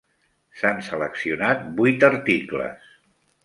S'han seleccionat vuit articles.